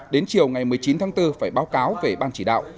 đến chiều ngày một mươi chín tháng bốn phải báo cáo về ban chỉ đạo